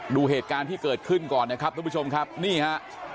ดูเหตุการณ์ที่เกิดขึ้นก่อนนะครับทุกผู้ชมครับนี่ฮะ